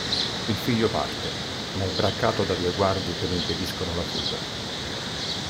Il figlio parte ma è braccato da due guardie che ne impediscono la fuga.